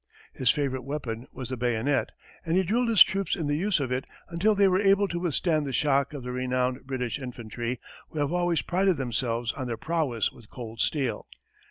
His favorite weapon was the bayonet, and he drilled his troops in the use of it until they were able to withstand the shock of the renowned British infantry, who have always prided themselves on their prowess with cold steel.